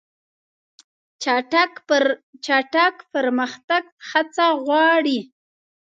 چټک پرمختګ هڅه غواړي.